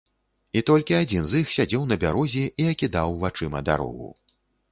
І толькі адзін з іх сядзеў на бярозе і акідаў вачыма дарогу.